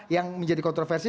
yang menjadi kontroversi